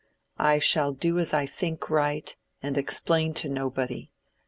"I shall do as I think right, and explain to nobody.